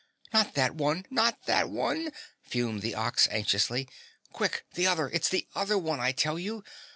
"Not that one. Not that one!" fumed the Ox anxiously. "Quick, the other it's the other one, I tell you!